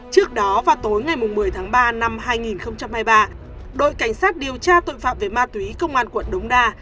trước đó vào tối ngày một mươi tháng ba năm hai nghìn hai mươi ba đội cảnh sát điều tra tội phạm về ma túy công an quận đống đa